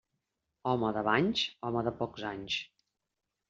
Home de banys, home de pocs anys.